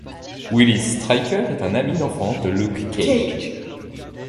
Willis Stryker est un ami d'enfance de Luke Cage.